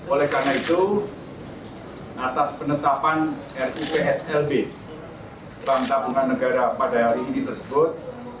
oleh karena itu atas penetapan rupslb bank tabungan negara pada hari ini tersebut